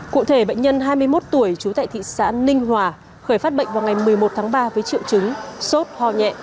cụ thể bệnh nhân hai mươi một tuổi trú tại thị xã ninh hòa khởi phát bệnh vào ngày một mươi một tháng ba với triệu chứng sốt ho nhẹ